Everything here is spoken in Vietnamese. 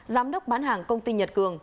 giám đốc bán hàng công ty nhật cường